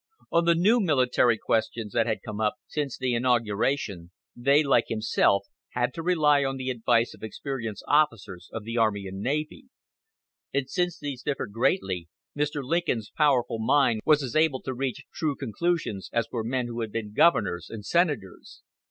On the new military questions that had come up since the inauguration, they, like himself, had to rely on the advice of experienced officers of the army and navy; and since these differed greatly, Mr. Lincoln's powerful mind was as able to reach true conclusions as were men who had been governors and senators.